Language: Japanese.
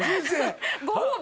ご褒美